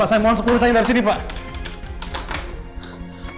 pak saya mohon sepuluh rupiah yang dari sini pak